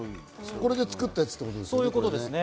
これで作ったやつということですね。